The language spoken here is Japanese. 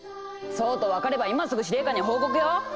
そうと分かれば今すぐ司令官に報告よ！